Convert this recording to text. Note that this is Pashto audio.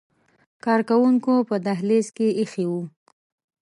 کارکوونکو په دهلیز کې ایښي وو.